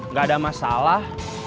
nggak ada masalah